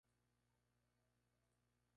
Posteriormente emigró a Buenos Aires, Argentina.